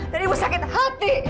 dan ibu sakit hati